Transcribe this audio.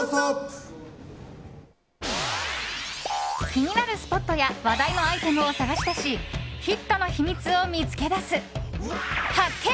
気になるスポットや話題のアイテムを探し出しヒットの秘密を見つけ出す発見！